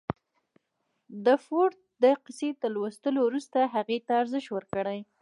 د فورډ د کيسې تر لوستو وروسته هغې ته ارزښت ورکړئ.